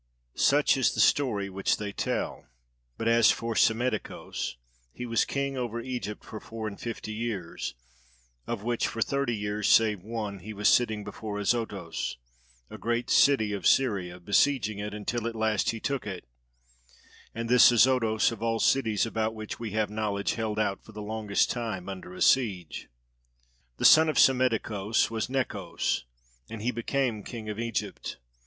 Such is the story which they tell; but as for Psammetichos, he was king over Egypt for four and fifty years, of which for thirty years save one he was sitting before Azotos, a great city of Syria, besieging it, until at last he took it: and this Azotos of all cities about which we have knowledge held out for the longest time under a siege. The son of Psammetichos was Necos, and he became king of Egypt.